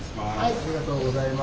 ありがとうございます。